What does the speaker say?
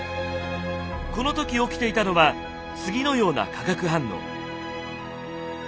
この時起きていたのは次のような化学反応。